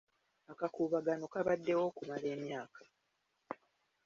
Akakuubagano kabaddewo okumala emyaka.